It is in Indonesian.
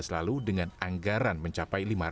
lalu dengan anggaran mencapai